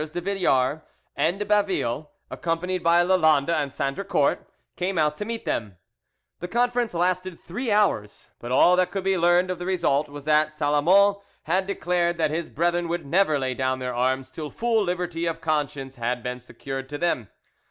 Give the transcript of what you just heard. de Villars and de Baville, accompanied by Lalande and Sandricourt, came out to meet them: the conference lasted three hours, but all that could be learned of the result was that Salomon had declared that his brethren would never lay down their arms till full liberty of conscience had been secured to them.